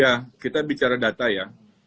ya kita bicara data ya